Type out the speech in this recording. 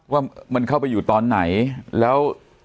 ว่ามันเข้าไปอยู่ตอนไหนแล้ว